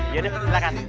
ya udah silahkan ya